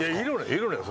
いるのよ